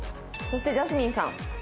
そしてジャスミンさん。